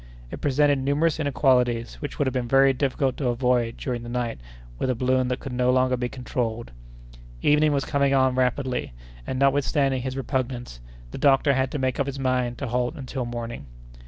It presented numerous inequalities, which would have been very difficult to avoid during the night with a balloon that could no longer be controlled. Evening was coming on rapidly, and, notwithstanding his repugnance, the doctor had to make up his mind to halt until morning.